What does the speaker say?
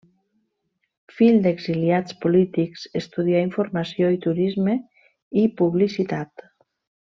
Fill d'exiliats polítics, estudià Informació i Turisme i Publicitat.